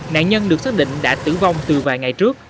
nạn nhân được xác định đã tử vong từ vài ngày trước